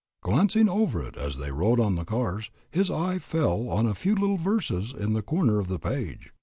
Glancing over it as they rode on the cars, his eye fell on a few little verses in the corner of the page.